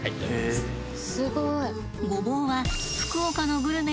すごい。